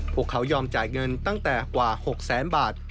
พวกเขายอมจ่ายเงินตั้งแต่กว่า๖แสนบาท